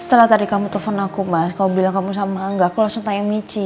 setelah tadi kamu telepon aku mas kamu bilang kamu sama angga aku langsung tanya mici